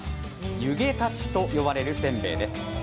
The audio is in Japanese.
ゆげたちと呼ばれるせんべいです。